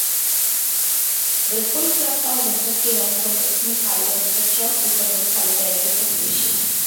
The school serves thousands of students from ethnically and socio-economically diverse populations.